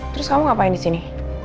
terus kamu ngapain di sini